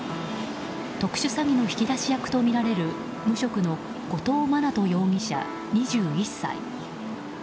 特殊詐欺の引き出し役とみられる無職の後藤真斗容疑者、２１歳。